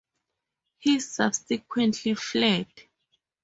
He subsequently fled.